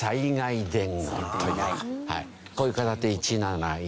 こういう言い方で「１７１」。